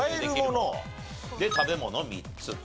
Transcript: で食べ物３つと。